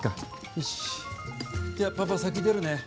よし、じゃあ、パパ先出るね。